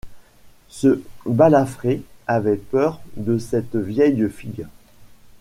Ce balafré avait peur de cette vieille fille.